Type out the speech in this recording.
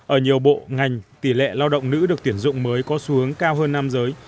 ở nhiều bộ ngành tỷ lệ lao động nữ được tuyển dụng mới có xuống cao hơn nam giới